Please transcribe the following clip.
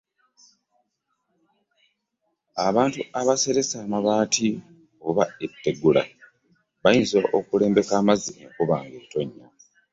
Abantu abaseresa amabaati oba ettegula bayinza okulembeka amazzi enkuba nga etonnya.